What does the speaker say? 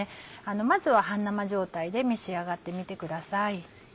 まずは半生状態で召し上がってみてください。